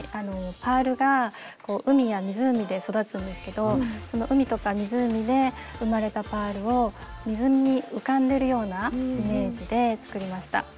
パールが海や湖で育つんですけどその海とか湖で生まれたパールを水に浮かんでるようなイメージで作りました。